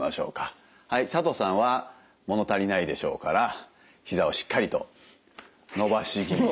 はい佐藤さんは物足りないでしょうからひざをしっかりと伸ばし気味で。